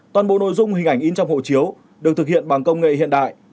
toàn bộ nội dung hình ảnh in trong hộ chiếu được thực hiện bằng công nghệ hiện đại